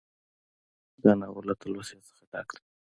دا ناول له تلوسې څخه ډک دى